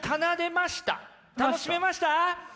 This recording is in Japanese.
楽しめました？